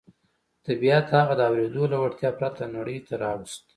طبيعت هغه د اورېدو له وړتيا پرته نړۍ ته راووست.